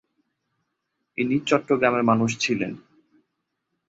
ইনি চট্টগ্রামের মানুষ ছিলেন।